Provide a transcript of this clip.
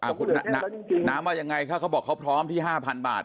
อ่าคุณน้ำว่ายังไงคะเขาบอกเขาพร้อมที่ห้าพันบาท